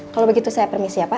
kalau begitu saya permisi ya pak